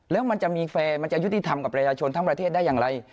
แล้วมันจะมีแฟร์มันจะยุติธรรมกับประชาชนทั้งประเทศได้อย่างไร